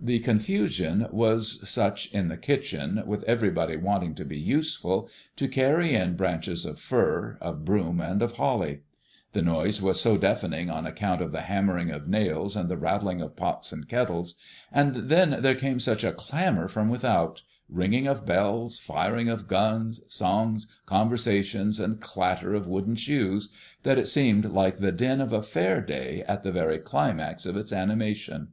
The confusion was such in the kitchen, with everybody wanting to be useful, to carry in branches of fir, of broom, and of holly; the noise was so deafening on account of the hammering of nails and the rattling of pots and kettles; and then there came such a clamor from without, ringing of bells, firing of guns, songs, conversations, and clatter of wooden shoes, that it seemed like the din of a fair at the very climax of its animation.